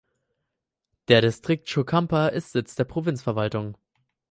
Der Distrikt Churcampa ist Sitz der Provinzverwaltung.